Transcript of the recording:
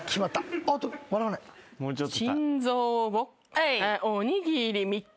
はい。